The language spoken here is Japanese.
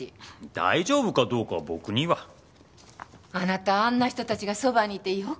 大丈夫かどうかは僕には。あなたあんな人たちがそばにいてよく平気ねぇ。